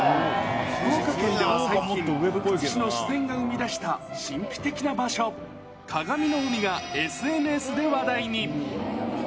福岡県では最近、福津市の自然が生み出した神秘的な場所、かがみの海がＳＮＳで話題に。